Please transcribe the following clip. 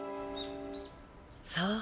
そう。